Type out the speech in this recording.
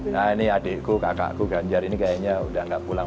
nah ini adikku kakakku ganjar ini kayaknya udah gak pulang